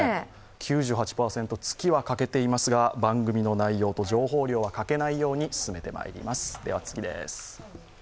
９８％、月は欠けていますが、番組の内容と情報量は欠けないように続けていきます。